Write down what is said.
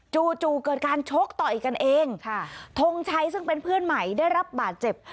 จู่เกิดการชกต่อยกันเองค่ะทงชัยซึ่งเป็นเพื่อนใหม่ได้รับบาดเจ็บ